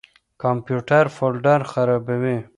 کمپيوټر فولډر خراپوي.